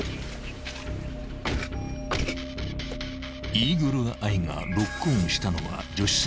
［イーグルアイがロックオンしたのは］